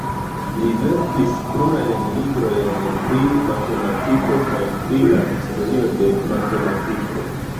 Li verkis plurajn librojn pri matematiko kaj pri la historio de matematiko.